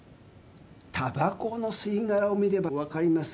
たばこの吸殻を見れば分かります。